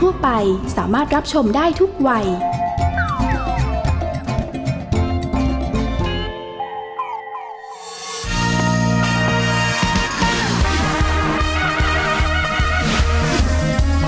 แม่บ้านประจำบาน